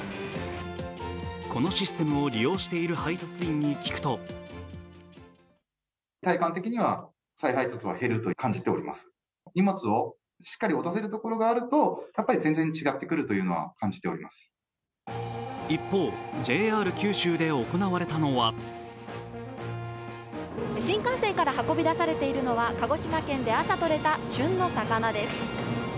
このシステムを利用している配達員に聞くと一方、ＪＲ九州で行われてたのは新幹線から運び出されているのは鹿児島県で朝とれた旬の魚です。